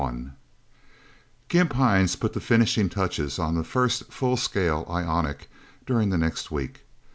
II Gimp Hines put the finishing touches on the first full scale ionic during that next week.